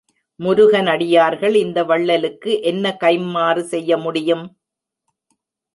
முருகனடியார்கள் இந்த வள்ளலுக்கு என்ன கைம்மாறு செய்ய முடியும்?